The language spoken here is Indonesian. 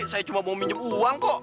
saya cuma mau minjem uang kok